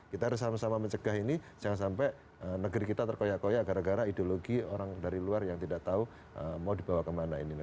kita harus sama sama mencegah ini jangan sampai negeri kita terkoyak koyak gara gara ideologi orang dari luar yang tidak tahu mau dibawa kemana ini